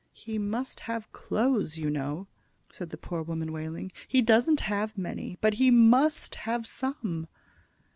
"He must have clothes, you know," said the poor woman, wailing. "He doesn't have many, but he must have some."